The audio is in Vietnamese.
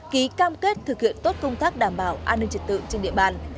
ký cam kết thực hiện tốt công tác đảm bảo an ninh trật tự trên địa bàn